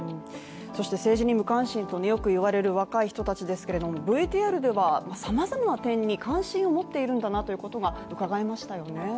そして政治に無関心とよく言われる若い人たちですけれどもＶＴＲではさまざまな点に関心を持っていることがうかがえましたよね？